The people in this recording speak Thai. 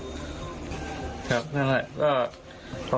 ครับนั่นแหละ